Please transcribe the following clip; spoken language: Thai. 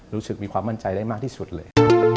รู้สึกมีความมั่นใจได้มากที่สุดเลย